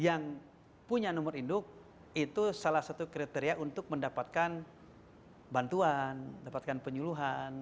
yang punya nomor induk itu salah satu kriteria untuk mendapatkan bantuan mendapatkan penyuluhan